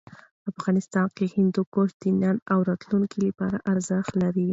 افغانستان کې هندوکش د نن او راتلونکي لپاره ارزښت لري.